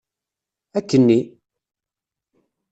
Akkenni!